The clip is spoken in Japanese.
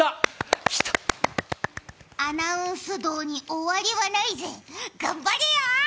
アナウンス道に終わりはないぜ頑張れよ。